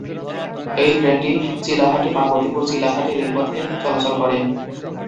এই ট্রেনটি চিলাহাটি-পার্বতীপুর-চিলাহাটি রেলপথে চলাচল করে।